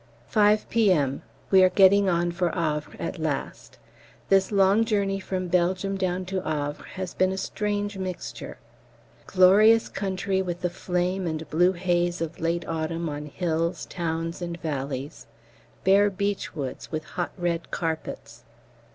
5 P.M. We are getting on for Havre at last. This long journey from Belgium down to Havre has been a strange mixture. Glorious country with the flame and blue haze of late autumn on hills, towns, and valleys, bare beech woods with hot red carpets.